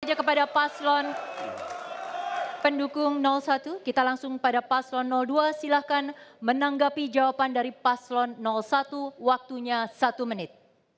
kita kepada paslon pendukung satu kita langsung pada paslon dua silahkan menanggapi jawaban dari paslon satu waktunya satu menit